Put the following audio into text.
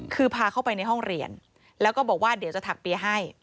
คือพาเข้าไปในห้องเรียนแล้วก็บอกว่าเดี๋ยวจะถักเปียร์ให้